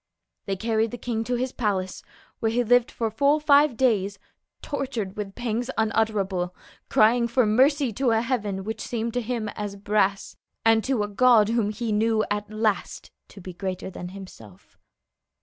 They carried the king to his palace, where he lived for full five days, tortured with pangs unutterable, crying for mercy to a heaven which seemed to him as brass, and to a God whom he knew at last to be greater than himself.